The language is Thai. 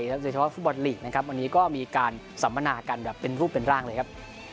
โดยเฉพาะฟุตบอลลีกนะครับวันนี้ก็มีการสัมมนากันแบบเป็นรูปเป็นร่างเลยครับ